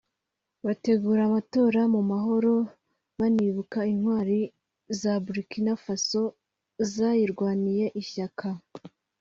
bategura amatora mu mahoro banibuka intwari za Burkina Faso zayirwaniye ishyaka